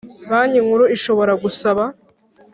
Banki Nkuru ishobora gusaba